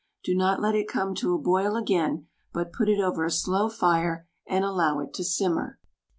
Do not let it come to a boil again, but put it over a slow fire and allow it to simmer.